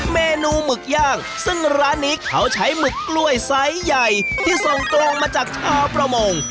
เมนูหมึกย่างซึ่งร้านนี้เขาใช้หมึกกล้วยไซส์ใหญ่ที่ส่งตรงมาจากชาวประมง